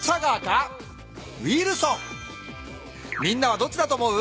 みんなはどっちだと思う？